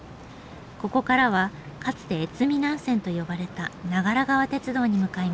ここからはかつて越美南線と呼ばれた長良川鉄道に向かいます。